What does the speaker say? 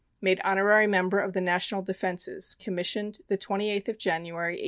Made Honorary Member of the National Defences. Commissioned the 28th of January, 1898.